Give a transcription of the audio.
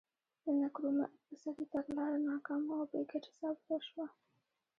د نکرومه اقتصادي تګلاره ناکامه او بې ګټې ثابته شوه.